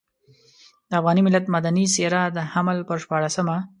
د افغان ملت مدني څېره د حمل پر شپاړلسمه.